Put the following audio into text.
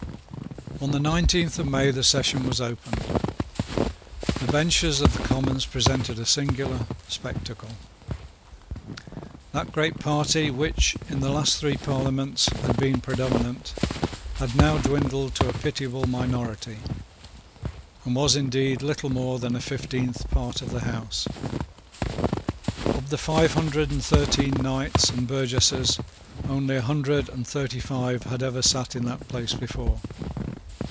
On the nineteenth of May the session was opened. The benches of the Commons presented a singular spectacle. That great party, which, in the last three Parliaments, had been predominant, had now dwindled to a pitiable minority, and was indeed little more than a fifteenth part of the House. Of the five hundred and thirteen knights and burgesses only a hundred and thirty five had ever sate in that place before.